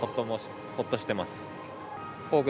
ほっとしています。